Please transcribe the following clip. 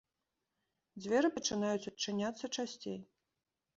Дзверы пачынаюць адчыняць часцей.